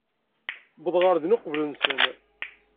Uwḍeɣ ɣer din uqbel-nsen.